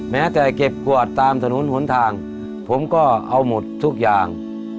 แม้แต่เก็บขวดตามถนนหนทางผมก็เอาหมดทุกอย่าง